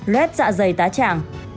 lết dạ dày tá tràng